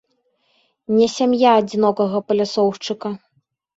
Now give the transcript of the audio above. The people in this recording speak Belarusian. Не сям'я адзінокага палясоўшчыка.